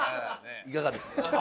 いかがですか？